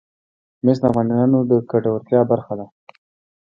مس د افغانانو د ګټورتیا برخه ده.